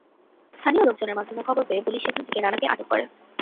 স্থানীয় লোকজনের মাধ্যমে খবর পেয়ে পুলিশ সেখান থেকে রানাকে আটক করে।